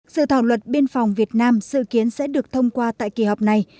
dự thảo luật biên phòng việt nam dự kiến sẽ được thông qua tại kỳ họp này